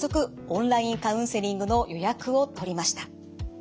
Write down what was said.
オンラインカウンセリングの予約を取りました。